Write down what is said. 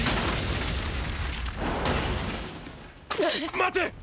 待て！！